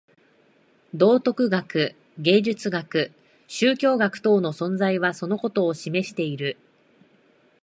道徳学、芸術学、宗教学等の存在はそのことを示している。